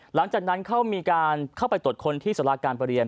หลังจากนั้นเขามีการเข้าไปตรวจคนที่สาราการประเรียน